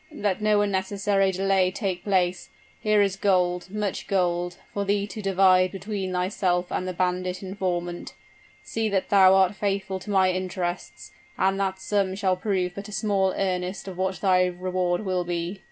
"Let no unnecessary delay take place. Here is gold much gold, for thee to divide between thyself and the bandit informant. See that thou art faithful to my interests, and that sum shall prove but a small earnest of what thy reward will be."